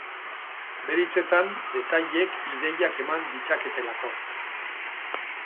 Bere hitzetan, detaileek ideiak eman ditzaketelako.